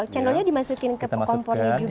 cendolnya dimasukin ke kompornya juga